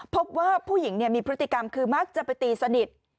พบว่าผู้หญิงมีพฤติกรรมคือมักจะไปตีสนิท